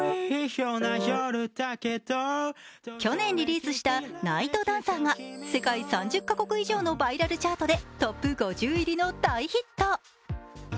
去年リリースした「ＮＩＧＨＴＤＡＮＣＥＲ」が世界３０か国以上のバイラルチャートでトップ５０入りの大ヒット。